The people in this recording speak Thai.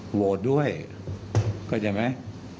โหวตด้วยเข้าใจไหม